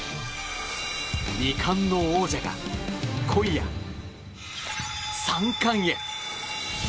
２冠の王者が今夜、３冠へ。